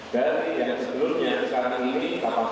dari yang sebelumnya sekarang ini